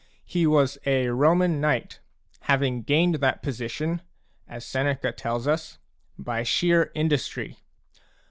He was a Roman knight, having gained that position, as Seneca tells us, by sheer industry.